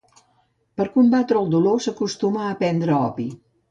Per a combatre el dolor s'acostumà a prendre opi.